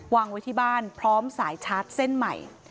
วางไว้ที่บ้านพร้อมสายชาร์จเส้นใหม่